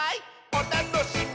おたのしみ！」